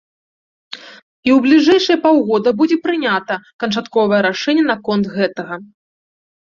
І ў бліжэйшыя паўгода будзе пранята канчатковае рашэнне наконт гэтага.